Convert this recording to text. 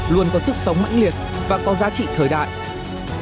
luôn có sức sống mãnh liệt và có giá trị thời đại